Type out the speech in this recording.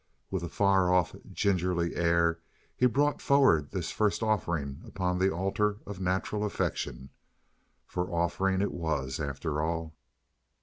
With a far off, gingery air he brought forward this first offering upon the altar of natural affection, for offering it was, after all.